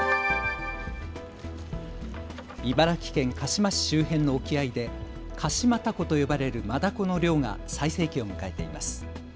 茨城県鹿嶋市周辺の沖合で鹿島たこと呼ばれるマダコの漁が最盛期を迎えています。